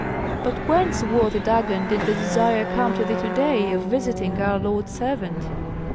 But whence, worthy Dagon, did the desire come to thee to day of visiting our lord's servant?"